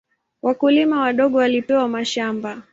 Wakulima wadogo walipewa mashamba.